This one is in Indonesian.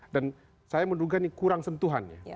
saya menduga ini kurang sentuhan ya